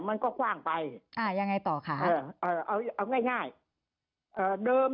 มันก็คว่างไปอ่ายังไงต่อค่ะเอาเอาง่ายง่ายเอ่อเดิม